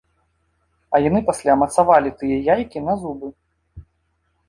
А яны пасля мацавалі тыя яйкі на зубы.